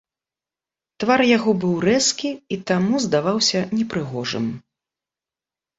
Твар яго быў рэзкі і таму здаваўся непрыгожым.